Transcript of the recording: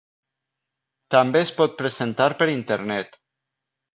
També es pot presentar per internet.